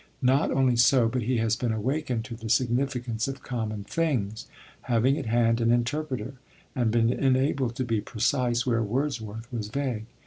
Not only so, but he has been awakened to the significance of common things, having at hand an interpreter, and been enabled to be precise where Wordsworth was vague.